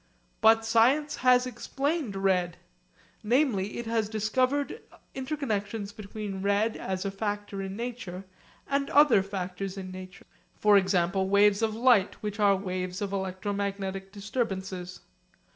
But science has explained red. Namely it has discovered interconnexions between red as a factor in nature and other factors in nature, for example waves of light which are waves of electromagnetic disturbances.